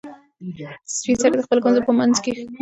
سپین سرې د خپلو ګونځو په منځ کې موسکۍ شوه.